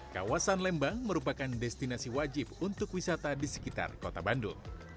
kawasan lembang merupakan destinasi wajib untuk wisata di sekitar kota bandung